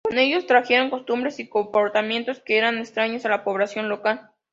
Con ellos trajeron costumbres y comportamientos que eran extraños a la población local.